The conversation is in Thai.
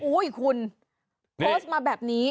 คุณโพสต์มาแบบนี้